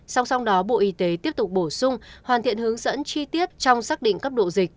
song song đó bộ y tế tiếp tục bổ sung hoàn thiện hướng dẫn chi tiết trong xác định cấp độ dịch